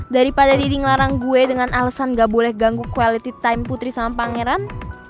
daripada didi ngelarang gue dengan alasan gak boleh ganggu quality time putri sama pangeran